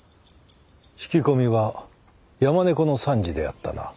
引き込みは山猫の三次であったな？